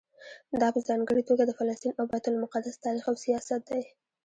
دا په ځانګړي توګه د فلسطین او بیت المقدس تاریخ او سیاست دی.